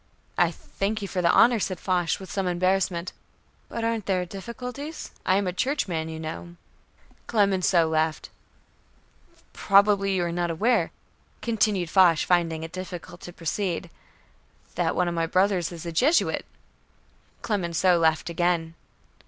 "I thank you for the honor," said Foch with some embarrassment, "but aren't there difficulties? I am a Churchman, you know." Clemenceau laughed. "Probably you are not aware," continued Foch, finding it difficult to proceed, "that one of my brothers is a Jesuit." Clemenceau laughed again.